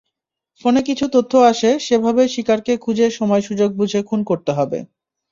ফোনে কিছু তথ্য আসে, সেভাবেই শিকারকে খুঁজে সময়-সুযোগ বুঝে খুন করতে হবে।